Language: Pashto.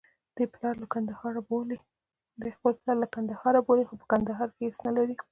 دی خپل پلار له کندهار بولي، خو په کندهار کې هېڅ نلري.